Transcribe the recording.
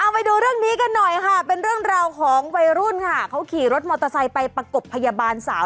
ไปดูเรื่องนี้กันหน่อยค่ะเป็นเรื่องราวของวัยรุ่นค่ะเขาขี่รถมอเตอร์ไซค์ไปประกบพยาบาลสาว